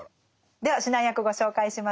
では指南役ご紹介しましょう。